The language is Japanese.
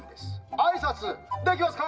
あいさつできますか？